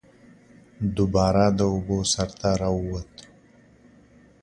دوباره د اوبو سر ته راووت